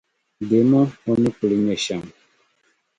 Deemi o o ni kuli nyɛ shɛm.